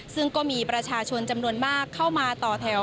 ซึ่งก็มีประชาชนจำนวนมากเข้ามาต่อแถว